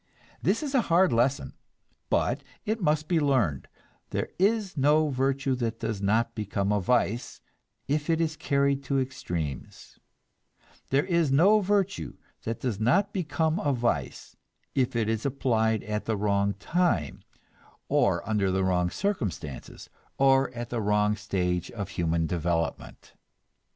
This is a hard lesson, but it must be learned: there is no virtue that does not become a vice if it is carried to extremes; there is no virtue that does not become a vice if it is applied at the wrong time, or under the wrong circumstances, or at the wrong stage of human development.